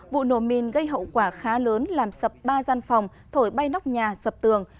vụ nổ mìn gây hậu quả khá lớn làm sập ba gian phòng thổi bay nóc nhà sập tường